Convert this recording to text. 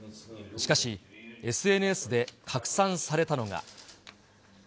しかし、ＳＮＳで拡散されたのが。